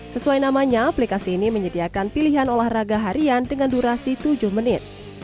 sesuai namanya aplikasi ini menyediakan pilihan olahraga harian dengan durasi tujuh menit